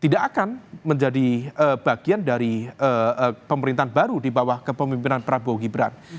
tidak akan menjadi bagian dari pemerintahan baru di bawah kepemimpinan prabowo gibran